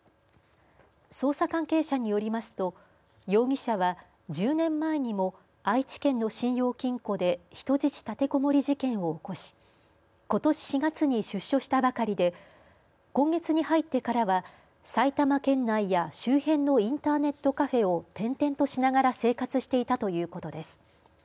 捜査関係者によりますと容疑者は１０年前にも愛知県の信用金庫で人質立てこもり事件を起こしことし４月に出所したばかりで今月に入ってからは埼玉県内や周辺のインターネットカフェを転々としながら生活していたということです。